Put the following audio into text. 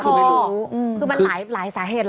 คือไม่รู้คือมันหลายสาเหตุ